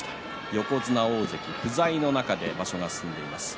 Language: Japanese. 横綱、大関不在の中で場所が進んでいます。